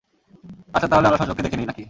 আচ্ছা, তাহলে আমরা স্বচক্ষে দেখে নিই, নাকি?